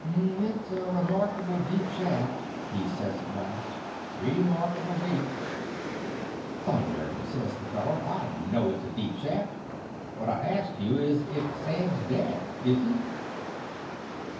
"It 's a remarkable deep shaft/' he says at last; "remarkable deep/' "Thunder!" says the feller. "I know it 's a deep shaft. What I asked you is if Sam 's dead. Is he